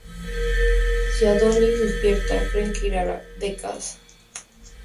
Si Adonis despierta, creen que irá de caza.